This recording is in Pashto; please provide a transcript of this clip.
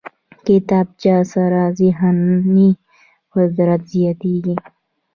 کتابچه سره ذهني قدرت زیاتېږي